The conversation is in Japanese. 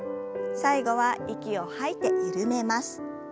最後は息を吐いて緩めます。